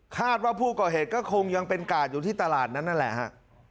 คาดว่าผู้ก่อเหตุก็คงยังเป็นกาดอยู่ที่ตลาดนั้นนั่นแหละฮะ